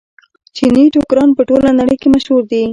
چیني ټوکران په ټوله نړۍ کې مشهور دي.